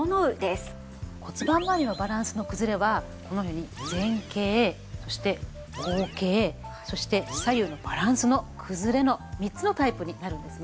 骨盤まわりのバランスの崩れはこのように前傾そして後傾そして左右のバランスの崩れの３つのタイプになるんですね。